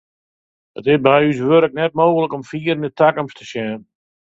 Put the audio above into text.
It is by ús wurk net mooglik om fier yn de takomst te sjen.